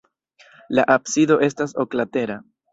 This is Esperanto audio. La absido estas oklatera.